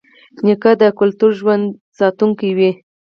نیکه د کلتور ژوندي ساتونکی وي.